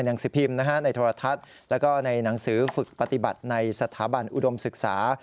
และในหนังสือฝึกปฏิบัติในสถาบันอุดมศึกษา